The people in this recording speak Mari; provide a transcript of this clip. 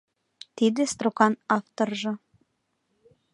Тиде строкан авторжо.